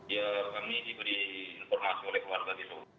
ya kami diberi informasi oleh keluarga di solo